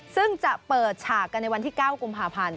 ซึ่งจะเปิดฉากกันในวันที่๙กุมภาพันธ์